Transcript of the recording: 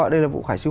còn vụ khải siêu